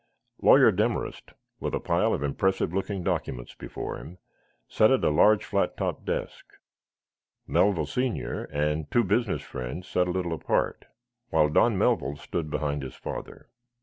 Lawyer Demarest, with a pile of impressive looking documents before him, sat at a large flat top desk. Melville, senior, and two business friends, sat a little apart, while Don Melville stood behind his father.